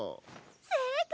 正解！